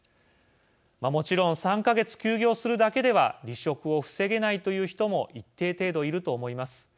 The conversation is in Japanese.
もちろん３か月休業するだけでは離職を防げないという人も一定程度いると思います。